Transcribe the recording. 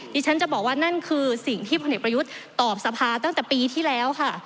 ดิฉันจะบอกว่านั่นคือสิ่งที่พลเอกประยุทธ์ตอบสภาตั้งแต่ปีที่แล้วค่ะ